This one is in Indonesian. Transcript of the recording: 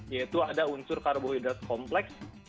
yaitu ada unsur karbohidrat kompleks